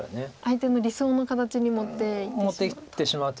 相手の理想の形に持っていってしまう。